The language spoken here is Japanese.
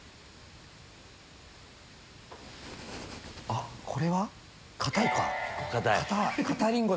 あっこれは硬いか？